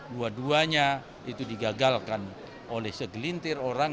dua duanya itu digagalkan oleh segelintir orang